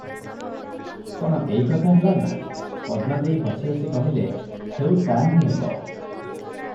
କଣ ଏଇ କଥା ହେଲା ନା?" ପଦ୍ମା ଦେଈ ହସି ହସି କହିଲେ, "ହେଉ ତାହିଁ ହେବ ।"